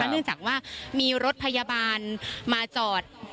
เนื่องจากว่ามีรถพยาบาลมาจอด